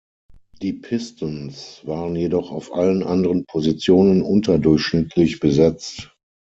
Die Pistons waren jedoch auf allen anderen Positionen unterdurchschnittlich besetzt.